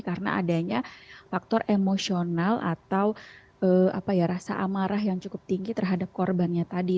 karena adanya faktor emosional atau apa ya rasa amarah yang cukup tinggi terhadap korbannya tadi